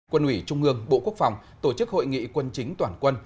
quân ủy trung ương bộ quốc phòng tổ chức hội nghị quân chính toàn quân